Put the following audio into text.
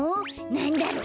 なんだろう？